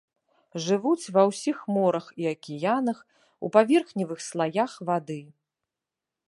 Жывуць ва ўсіх морах і акіянах у паверхневых слаях вады.